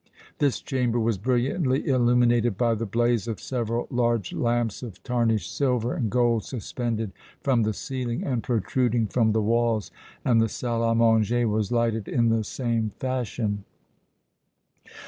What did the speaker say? This chamber was brilliantly illuminated by the blaze of several large lamps of tarnished silver and gold suspended from the ceiling and protruding from the walls, and the salle à manger was lighted in the same fashion.